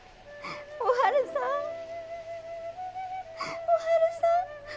おはるさんおはるさん。